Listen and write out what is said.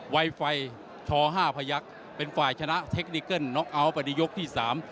วัยไฟชอห้าพยักเป็นฝ่ายชนะเทคนิกเกิ้ลประดิโยคที่สาม